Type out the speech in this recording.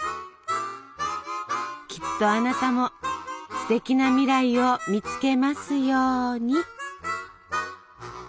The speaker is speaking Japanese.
きっとあなたもすてきな未来を見つけますように。